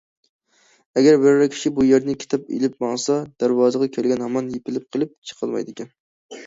ئەگەر بىرەر كىشى بۇ يەردىن كىتاب ئېلىپ ماڭسا، دەرۋازىغا كەلگەن ھامان يېپىلىپ قېلىپ چىقالمايدىكەن.